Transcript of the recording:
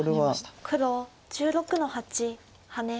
黒１６の八ハネ。